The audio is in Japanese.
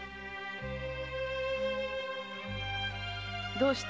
どうした。